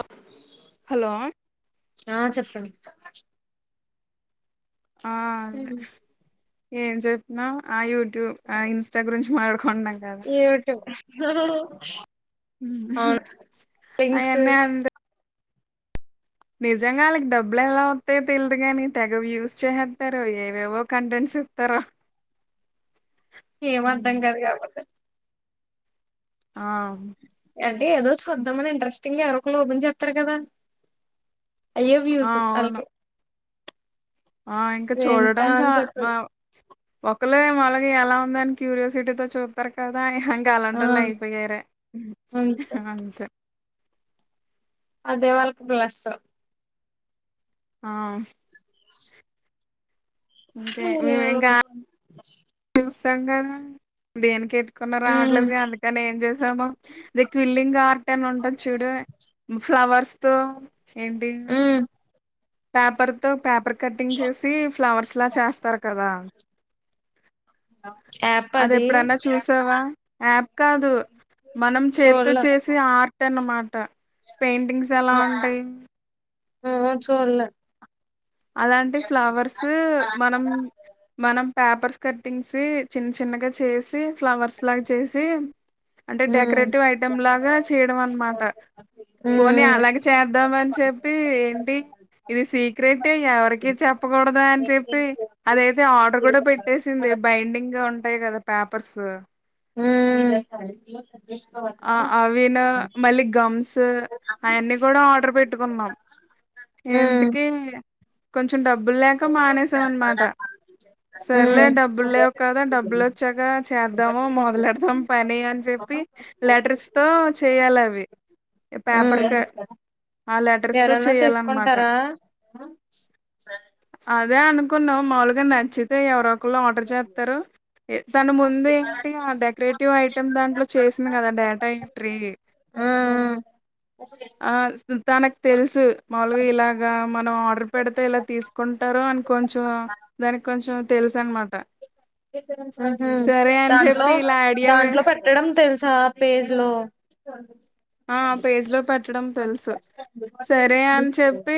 ఆ హలో ఆ చెప్పండి ఆ అదే ఏం చెప్తున్నావ్ ఆ యూట్యూబ్ ఇన్స్టా గురించి మాట్లాడుకుంటున్నాం కదా పింగ్స్ అయన్నీ అంతే నిజంగా వాళ్ళకి డబ్బులు ఎలా వస్తాయో తెలీదు గాని తెగ యూస్ చేసేస్తారు ఏవేవో కంటెంట్స్ ఇస్తారో ఏం అర్థంకాదు కాబట్టి ఆ అంటే ఏదో చూద్దామని ఇంట్రెస్ట్ గా యాప్ ఓపెన్ చేస్తారు కదా అయ్యో ఆ వ్యూస్ అవును వాళ్లకి ఆ ఇంకా చూడట చా అని ఆ చెప్పారు ఒక్కలే ఏమో ఎలాగ ఉందో అని క్యూరియాసిటీతో చూపుతారు కదా ఇంకా ఆ అలాంటోళ్లే అయిపోయారా అంతే అంతే అదే వాళ్ళకి ప్లస్ ఆ ఉ ఓకే మేము ఇంకా ఉమ్ చూస్తాం కదా దేనికి కొన్నా రావట్లేదుగా అందుకని ఏం చేసాము అదే క్విల్లింగ్ ఆర్ట్ అని ఉంటాంది చూడు ఫ్లవర్స్ తో ఏంటి ఉమ్ పేపర్ తో పేపర్ కటింగ్ చేసి ఫ్లవర్స్ లా చేస్తారు కదా అది ఎప్పుడన్నా చూసావా యాప్ కాదు మనం చేతితో చూడలే చేసే ఆర్ట్ అన్నమాట పెయింటింగ్స్ ఎలా ఉంటాయి ఆ చూడలే అలాంటి ఫ్లవర్స్ మనం మనం పేపర్స్ కటింగ్స్ చిన్న చిన్నగా చేసి ఫ్లవర్స్ లాగా చేసి అంటే ఉమ్ డెకరేటివ్ ఐటెం లాగా చేయడం అనమాట పోనీ ఉమ్ అలాగే చేద్దామ అని చెప్పి ఏంటి ఇది సీక్రెట్ అంటే ఎవరికి చెప్పకూడదా అని చెప్పి అదయితే ఆర్డర్ కూడా పెట్టేసింది బైండింగ్ గా ఉంటాయి కదా పేపర్స్ ఉ చేసుకోవాలి ఆ అవిను మళ్ళీ గమ్స్ అవన్నీ కూడా ఆర్డర్ పెట్టుకున్నాం ఇంతకి కొంచెం డబ్బులు లేక మానేసాం అనమాట సరేలే డబ్బులు లేవు కదా డబ్బులు వచ్చాక చేద్దాము మొదలేడుదాం పని అని చెప్పి లెటర్స్ తో చేయాలవి ఉమ్ ఆ లెటర్స్ తో చెయ్యాలన్మాట అదే అనుకున్నామ్ మాముల్గా నచ్చిత్ తే ఎవరోఒకళ్లు ఆర్డర్ జేత్తరూ దాని ముందు ఏంటి ఆ డెకరేటివ్ ఐటమ్ దాంట్లో చేసిన గద డేటా ఎంట్రీ ఆ తనక్ తెల్సు మాముల్గ ఇలాగా మనం ఆర్డర్ పెడితే ఇలా తీసుకుంటారు అని కొంచెం దానిక్ కొంచెం తెలుసన్మాట ఉ హూ అని దాంట్లో చెప్పి ఇలా ఐడియా వే దాంట్లో పెట్ పెట్టడం తెల్సా పేజ్ లో ఆ పేజ్లో పెట్టడం తెల్సు సరే అన్చెప్పీ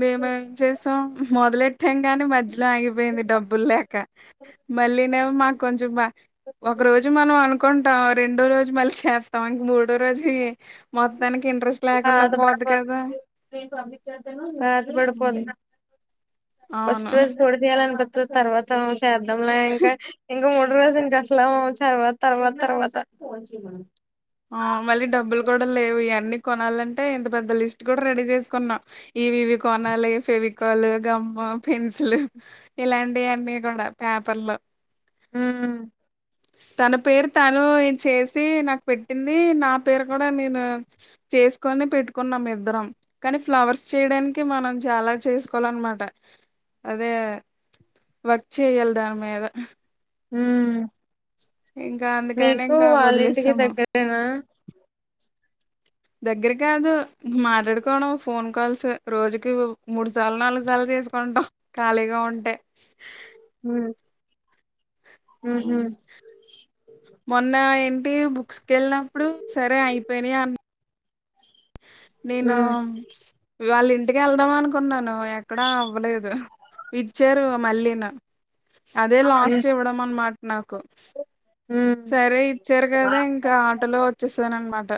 మేమేం చేస్తాం మొదలెట్ ట్టంగానే మధ్యలో ఆగిపోయింది డబ్బుల్ లేక మల్లీనేమో మాక్ కొంచెం బా ఒక రోజు మనం అనుకుంటాం రెండో రోజు మళ్ళీ చేస్తాం ఇంక మూడో రోజుఈ మొత్తానికి ఇంట్రెస్ట్ అది మడపోదు కదా అది మడి హ్మ్. ఫస్ట్ అవును రోజ్ పొడిచేయాలన్ పిత్ తర్వాతం చేద్దంలే ఇంక ఇంక మూడ్ రోజుల్ గష్ చలో చర్వాత్ తర్వాత్ తర్వాత ఆ మళ్ళీ డబ్బుల్ గుడ లేవ్ ఇయన్నీ కొనాలంటే ఇంత పెద్ద లిస్ట్ గుడ్ రెడీ జేస్కున్నా ఇవివి కొనాలీ ఫెవికాలు గమ్మ్మూ పెన్సిలు ఇలాంటి అన్నీ గుడా పేపర్ లో ఉమ్ తన పేర్ తనూ ఇచ్చేసీ నాక్ పెట్టిందీ నా పేర్ కుడ నేనూ చేస్కోని పెట్టుకున్నాం ఇద్దరం కానీ ఫ్లవర్స్ చేయడానికి మనం చాలా చేసుకోవాలన్మాట అదే వర్క్ చేయాల్ దాన్మీద ఉమ్ ఇంకా అందుకని మీకూ ఇంకా వాళ్లింటికి వదిలేసాము దగ్గరేనా దెగ్గరకాదూ మాట్లాడుకోవడం ఫోన్ కాల్సు రోజుకి మూడు సార్లు నాలుగు సార్లు చేస్ కొంటం కాళీగా ఉంటే ఉమ్ ఉమ్ ఉహు హ్ మొన్నా ఇంటివి బుక్స్ కెళ్నప్పుడు సరే ఐపోయినయ్ అన్ నేనూ ఉమ్ ఇవాళ్ ఇంటికెళ్దామనుకున్నానూ ఎక్కడా అవ్వలేదు ఇచ్చరూ మళ్లీ నా అదే లాస్ట్ ఇవ్వడం అన్మాట్ నాకు ఉమ్ ఉమ్ సరే ఇచ్చారు కదా ఇంకా ఆటోలో వచ్చేసానన్మాట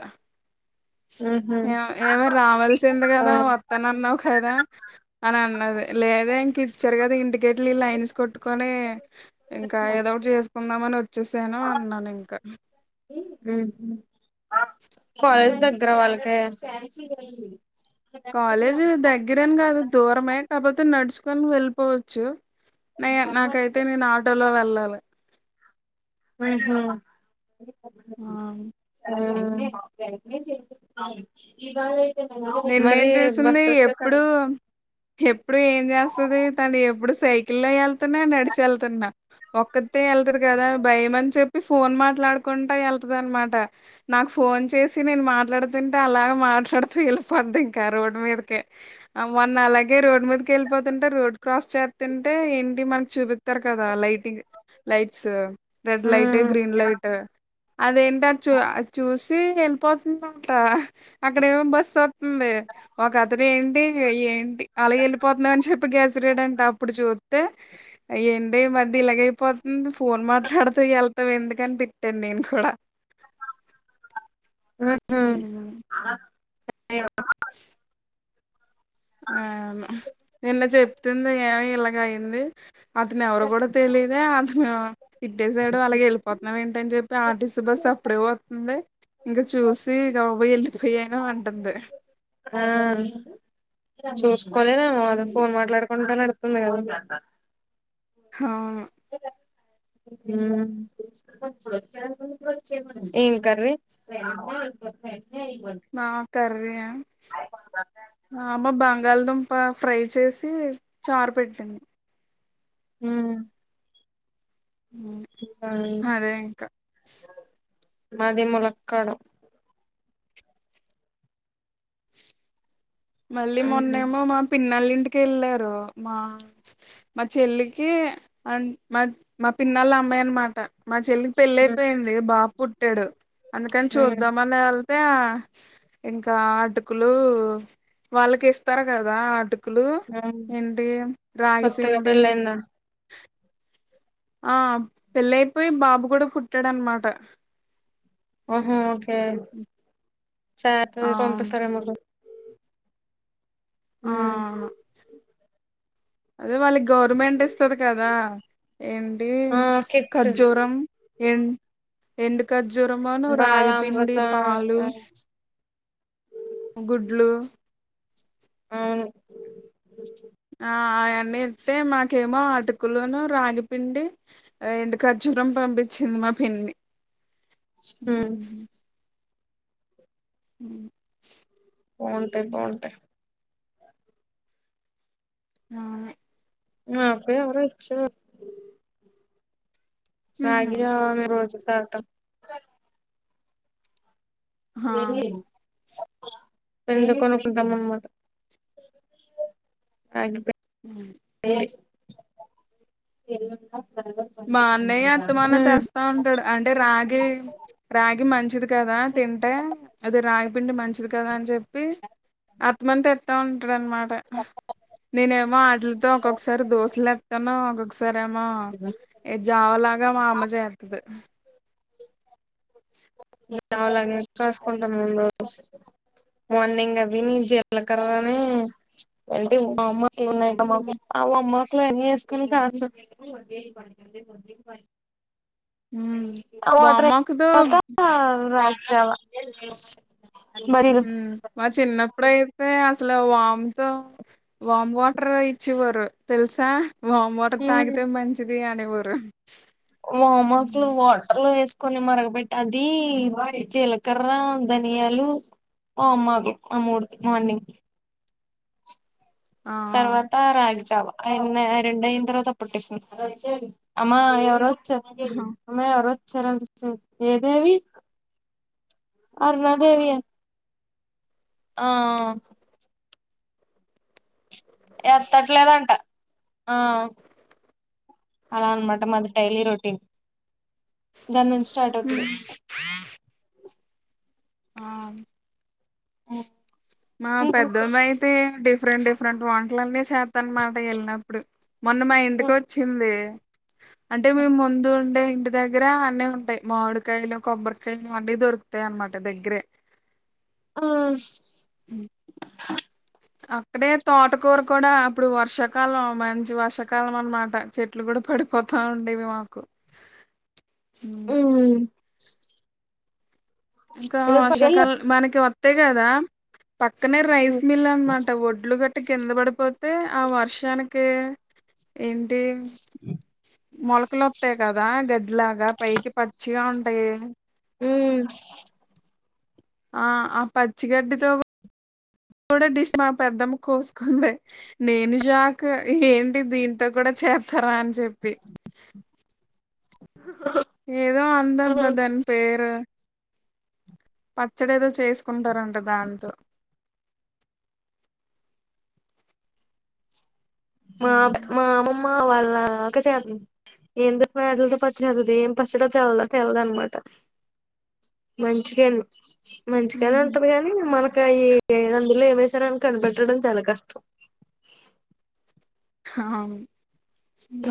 ఉహు ఏం ఎవర్ రావాల్సిందె ఆ గదా వత్ తన అన్నావ్ కదా అనన్నది లేదే ఇంక ఇచ్చారు కదా ఇంటికెట్లి లైన్స్ కొట్టుకొనీ ఇంకా ఏదో ఒకటి జేస్కుందామనొచ్చేసాను అన్నానింకా ఉమ్ కాలేజ్ దగ్గర వాళ్ళకే కాలేజూ దగ్గరేన్ గాదు దూరమే కాకపోతే నడ్చుకొన్ వెళ్ళిపోవచ్చు నే నాకైతే నేన్ ఆటోలో వెళ్ళాలి ఊఁ హూ ఆ ఆ నిన్నేం మరీ చేసింది బస్సస్ అస్సే ఎప్పుడు కాని ఎప్పుడు ఏన్ జస్సది తను ఎప్పుడు సైకిల్ల్లో ఎళ్తన్నా నడ్సి ఎళ్తన్నా ఒక్కతే ఎళ్తాది గద భయం అన్ చెప్పి ఫోన్ మాట్లాడ్కుంటా ఎళ్తది అన్మాట నాక్ ఫోన్ చేసి నేన్ మాట్లాడ్తుంటే అలాగ మాట్లాడ్తూ వెల్ ఫొద్ది ఇంకా ఆ రోడ్ మీదకే అ మొన్న అలాగే రోడ్ మీద్కి ఎళ్పోతుంటే రోడ్ క్రాస్ చే తింటే ఏంటి మన్కి చూపిత్తరు కదా అ లైటింగ్ లైట్సు రెడ్ లైటు ఉమ్ గ్రీన్ లైటు అదేంట ఆ అది చూ చూసి తీ ఎల్పోతుందంట అక్కడ ఎవో బస్ ఒత్తుంది ఒక అతను ఏంటి ఏంటి అలాగెలిపోత్నవు అని చెప్పి గ్యెస్రడంట అప్పుడు చూతై ఆఏంటే ఈ మద్ద ఇలాగైపోతుంది ఫోన్ మాట్లాడ్త ఎళ్తాం ఎందుకని తిట్టాన్ నేను కూడా [unintelligible] నేనా అయ్యో ఆ మా నిన్న చెప్తుంది ఏ ఇలాగ అయింది అతను ఎవ్రో గూడా తెలియదే అతను తిట్టేసాడు అలాగ ఎల్పోత్నాన్ ఏంటి అన్ జెప్పి ఆట్టిసీ బస్సు అప్పుడే వోతుంది. ఇంకా చూసి గబబా ఎళ్ళిపోయాను అంటుంది. ఆ చూస్కోలేదేమో అదె హ్మ్. ఫోన్ మాట్లాడు కొంట నడుతుంది గద హ ఉమ్ ఎన్ కర్రి మా కరీ ఆ మా అమ్మ బంగాల్దుంప ఫ్రై చేసీ చారు పెట్టింది హు ఆ అదే ఇంకా మది ములక్కడ మళ్ళీ ఉమ్ మొన్నేమో మా పిన్నల్ళ ఇంటికి ఎళ్ళారూ మా మా చెల్లికీ అన్ మా మా పిన్నళ్ళ అమ్మాయి అన్మాట మా చెల్లికి పెళ్ళి ఉమ్ అయిపోయింది బాబ్ పుట్టాడు అందుకని ఉమ్ చూద్దామనెల్ తే ఇంకా ఆటుకూలూ వాళ్ళకి ఇస్తారు గదా ఆటుక్ కులూ ఉమ్. ఏంటి కొత్తగా రాగిపిండి. పెళ్ళయిందా ఆ పెళ్ళైపోయి బాబు కూడా పుట్టాడ్ అన్మాటా ఓహా ఓకే సాట్ ఆ రెకొంట సగములు ఆ ఉమ్ అవును అదే వాళ్ళకి గవ్ర్మెంట్ ఇస్తది కదా ఏంటి ఆ కిడ్స్ ఖజ్జురం ఎన్ ఎండు ఖజ్జూరమును రాగిపిండి బాలామృతం పాలు ఆ, గుడ్లు అవును ఆ ఆ అయన్నెతే మాకేమో అటుకులును రాగిపిండి. ఏండూ ఖజూరం పంపించింది మా పిన్ని ఉ హ్మ్. ఉ బావుంటై బావుంటై అయ్ నాకూ ఎవరో ఇచ్చారు. హుహు. తాగి రావడమే మీరు వచ్చిన తరువాత ఆ ఏందో, ఏమో పెన్ను కొనుకుంటామమ్మా. థాంక్యూ అ ఎ ఐ మా అన్నయ్య అస్తమానం తెస్తా ఉంటాడు. అంటే రాగి రాగి మంచిది కదా తింటే అది రాగిపిండి మంచిది కదా అని చెప్పి అందుకని తెత్తా ఉంటాడు అన్నమాట. నేనేమో వాటిలతో ఒక్కొక్కసారి దోశలు వేస్తాను ఒక్కొక్కసారి ఏమో జావలాగా మా అమ్మ చేస్తాది. దానిలాగా కాసుకుంటా ముందు మార్నింగ్ అవి న జీలకర్ర ను వామ అంటే ఏమున్నాయి ఇంక మాకు ఆ వ మొక్కలు ఏంచేసుకొనేకి. ఆ వాటర్ వామాకుతో కె మొత్తం రాగిజావ మా చిన్నప్పుడు అయితే అసలు వామ్ తో వామ్ వాటర్ ఇచ్చేవారు తెలుసా వామ్ వాట ర్ ట తాగితే మంచిది అనేవారు. వామ వాటర్ లో ఉమ్. వాటర్లో వేసి కొన్ని మరగబెట్టి అది వాడి జీలకర్ర, ధనియాలు. ఓం మరి గుడ్ మార్నింగ్. ఆ తర్వాత రాగిజావ. ఆ రెండు అయిన తర్వాత అ టిఫిన్. అమ్మా ఎవరూ చా ఆ [unintelligible] మా ఎవరోవచ్చారంట చూడు ఏ దేవి అరుణాదేవి. ఆ ఆ మ్ ఎత్తట్లేదంట ఆ అలా అన్నమాట మాది డైలీ రొటీన్. దాని నుంచి స్టార్ట్ అవుతుంది. ఆ మా పెద్దమ్మాయి అయితే డిఫరెంట్ డిఫరెంట్ వంటలన్నీ చేస్తా అన్నమాట వెళ్ళినప్పుడు. మొన్న మా ఇంటికి వచ్చింది. అంటే మే ముందు ఉండే ఇంటి దగ్గర అన్నీ ఉంటాయి. మామిడికాయలు, కొబ్బరికాయలు అన్నీ దొరుకుతాయి అన్నమాట. దగ్గరే ఓస్ హ్మ్. అక్కడే తోటకూర కూడా అప్పుడు వర్షాకాలం మంచి వర్షాకాలం అన్నమాట. చెట్లు కూడా పడిపోతా ఉండేవి మాకు. ఇంకా వర్షకాల మనకి వత్తాయి కదా. పక్కనే రైస్ మిల్ అన్నమాట ఒడ్లు గట్ ఇట్ కింద పడిపోతే ఆ వర్షానికి, ఏంటి? మొలకలోస్తాయి కదా? గడ్డిలాగా పైకి పచ్చిగా ఉంటాయి. మ్ ఆ ఆ పచ్చిగడ్డితో చూడ డిష్ మా పెద్దమ్మ కోసుకుంది. నేను షాక్ ఏంటి దీంతో కూడా చేస్తారా అని చెప్పి ఏదో ఉందబ్బా దాని పేరు పచ్చడి ఏదో చేసుకుంటారంట దాంతో ఉ మాబ్ మా అమ్మమ్మ వాళ్ళ అక్క చేద్ ఏందోమే అటలతో పచ్చి జదుదు ఏం పచ్చడో తెలీదు తెలిదు అనమాట మంచిగయింది మంచిగానే ఉహు ఉంటది గాని మనకు అయి అందులో ఏమేసారని కనిపెట్టడం చాలా కష్టం అవును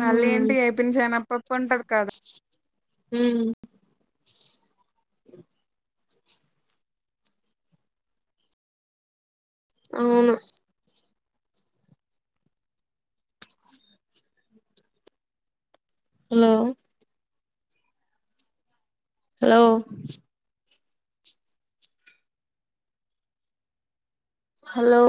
మళ్ళీ ఏంటి ఏపీన్ చెనాప్పడు ఉంటది కాదు ఉ అవును హలో హలో హలో